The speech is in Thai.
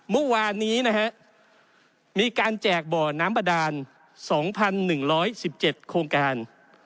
เมื่อวานนี้นะฮะมีการแจกบ่อน้ำบาดาน๒๑๑๗โครงการ